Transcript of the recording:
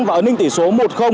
và ấn in tỉnh đắk nông